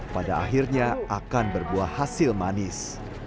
pada akhirnya akan berbuah hasil manis